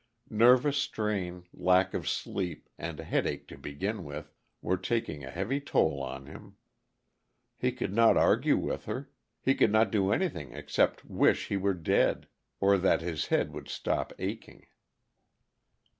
Nervous strain, lack of sleep, and a headache to begin with, were taking heavy toll of him. He could not argue with her; he could not do anything except wish he were dead, or that his head would stop aching.